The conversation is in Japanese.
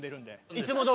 いつもどおり。